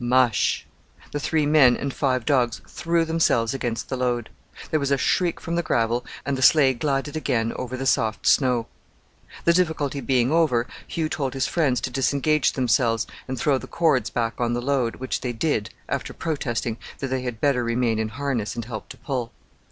"Mush!" The three men and five dogs threw themselves against the load. There was a shriek from the gravel, and the sleigh glided again over the soft snow. The difficulty being over, Hugh told his friends to disengage themselves and throw the cords back on the load, which they did, after protesting that they had better remain in harness and help to pull.